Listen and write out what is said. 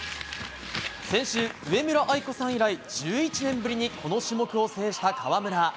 先週、上村愛子さん以来１１年ぶりにこの種目を制した川村。